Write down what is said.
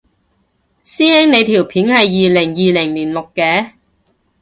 師兄你條片係二零二零年錄嘅？